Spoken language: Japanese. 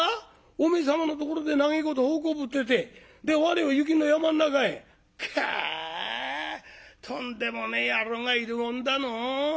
お前様のところで長えこと奉公ぶっててで我を雪の山ん中へ？かとんでもねえ野郎がいるもんだのう。